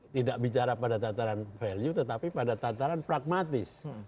tidak bicara pada tataran value tetapi pada tataran pragmatis